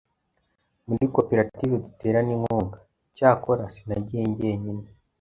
muri Koperative Duterane inkunga. Cyakora sinagiye genyine,